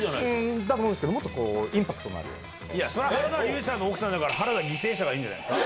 だと思うんですけど、もっとそれは原田龍二さんの奥さんだから、原田犠牲者がいいんじゃないですか。